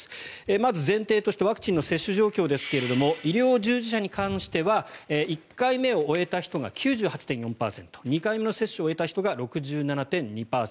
まず、前提としてワクチンの接種状況ですが医療従事者に関しては１回目を終えた人が９８．４％２回目の接種を終えた人が６７．２％